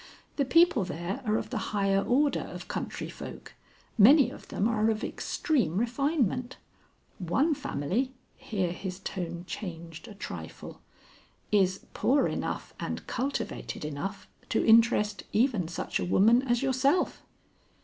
"The people there are of the higher order of country folk. Many of them are of extreme refinement. One family" here his tone changed a trifle "is poor enough and cultivated enough to interest even such a woman as yourself."